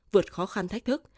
vượt khó khăn thách thức